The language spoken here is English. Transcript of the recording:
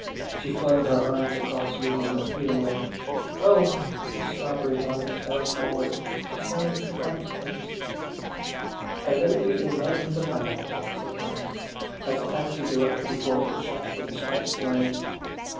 She flung her arms across William appealingly. "Oh!" The strawberry bonnet fell forward: she sounded quite faint. "A Lady in Love with a Pineapple," said Dennis, as the taxi drew up before a little shop with a striped blind.